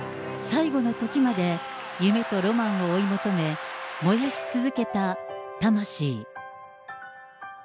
最後のときまで、夢とロマンを追い求め、燃やし続けた魂。